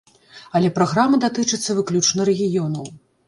Але праграма датычыцца выключна рэгіёнаў.